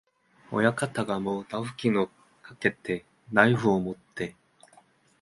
親方がもうナフキンをかけて、ナイフをもって、